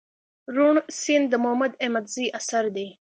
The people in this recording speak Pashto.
روڼ سيند دمحمود حميدزي اثر دئ